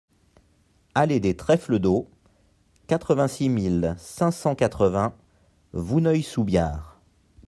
Allée des Trèfles d'Eau, quatre-vingt-six mille cinq cent quatre-vingts Vouneuil-sous-Biard